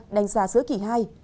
đánh giá giữa kỳ hai